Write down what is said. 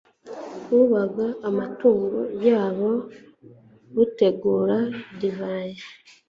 bubaga amatungo yabwo, butegura divayi